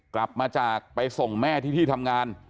กลับมาจากไปส่งแม่ที่ที่ทำงาน